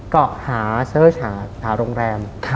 ก็หาหาโรงแรม